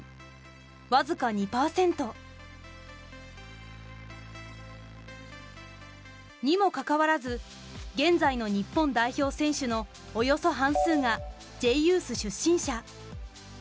僅か２％。にもかかわらず現在の日本代表選手のおよそ半数がＪユース出身者。